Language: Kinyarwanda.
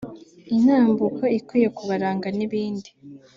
intambuko ikwiye kubaranga n’ibindi